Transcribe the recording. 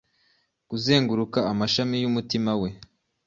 Kuzenguruka amashami yumutima we.